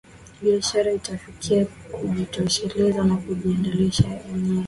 biashara itafikia kujitosheleza na kujiendesha yenyewe